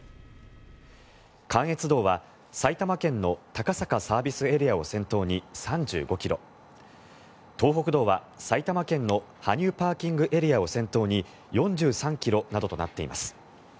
関越道は埼玉県の高坂ＳＡを先頭に３５ｋｍ東北道は埼玉県の羽生ＰＡを先頭に４３ｋｍなどとなっています。